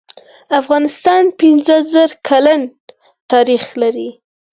افغانستان پنځه زر کلن تاریخ لري.